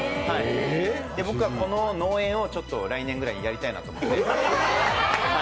僕はこの農園を来年くらいにやりたいなと。